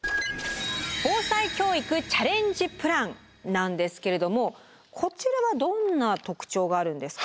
「防災教育チャレンジプラン」なんですけれどもこちらはどんな特徴があるんですか？